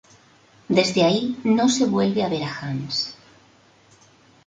Desde ahí no se vuelve a ver a Hans.